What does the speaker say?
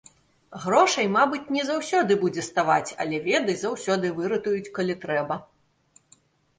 Грошай, мабыць, не заўсёды будзе ставаць, але веды заўсёды выратуюць, калі трэба.